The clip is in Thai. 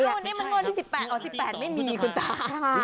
นี่มันโง่ที่สิบแปดอ๋อสิบแปดไม่มีคุณตา